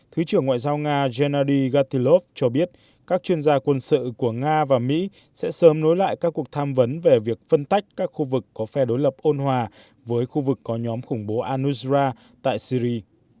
thứ trưởng ngoại giao nga gennady gatilov cho biết các chuyên gia quân sự của nga và mỹ sẽ sớm nối lại các cuộc tham vấn về việc phân tách các khu vực có phe đối lập ôn hòa với khu vực có nhóm khủng bố anusra tại syri